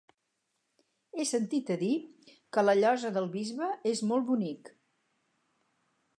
He sentit a dir que la Llosa del Bisbe és molt bonic.